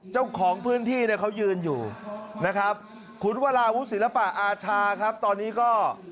เจ้าของพื้นที่เนี่ยเขายืนอยู่นะครับคุณวราวุศิลปะอาชาครับตอนนี้ก็